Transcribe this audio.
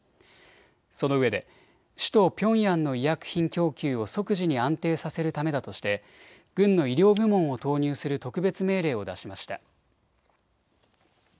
そのうえで首都ピョンヤンの医薬品供給を即時に安定させるためだとして軍の医療部門を投入する特別命令を出しました。